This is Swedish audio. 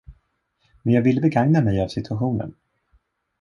Men jag ville begagna mig av situationen.